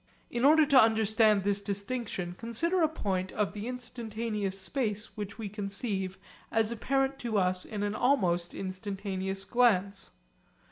In order to understand this distinction consider a point of the instantaneous space which we conceive as apparent to us in an almost instantaneous glance.